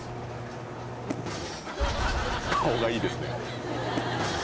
「顔がいいですね」